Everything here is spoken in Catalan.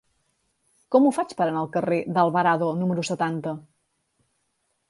Com ho faig per anar al carrer d'Alvarado número setanta?